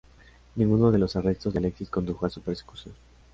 Ninguno de los arrestos de Alexis condujo a su persecución.